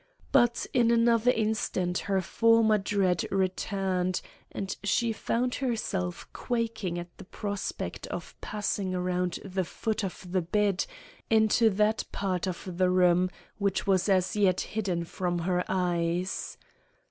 But in another instant her former dread returned, and she found herself quaking at the prospect of passing around the foot of the bed into that part of the room which was as yet hidden from her eyes.